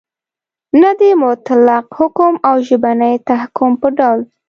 نه د مطلق حکم او ژبني تحکم په ډول